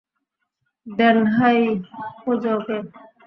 ডেনহাই, খোঁজো ওকে।